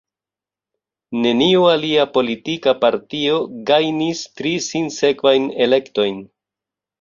Neniu alia politika partio gajnis tri sinsekvajn elektojn.